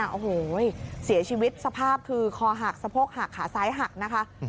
โอ้โหเสียชีวิตสภาพคือคอหักสะโพกหักขาซ้ายหักนะคะ